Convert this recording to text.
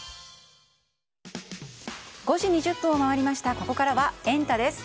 ここからはエンタ！です。